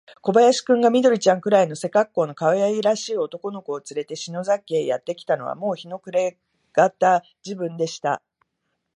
小林君が、緑ちゃんくらいの背かっこうのかわいらしい男の子をつれて、篠崎家へやってきたのは、もう日の暮れがた時分でした。